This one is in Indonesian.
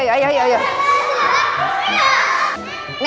nenek jangan nangis